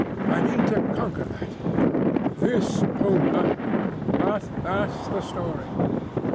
I mean to conquer that. This puma— "But that's the story.